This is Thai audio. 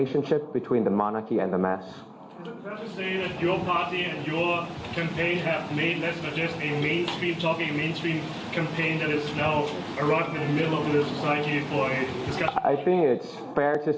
เป็นภารกิจของกรรมนั้นและนั่นเป็นภารกิจของชั้นที่ก่อน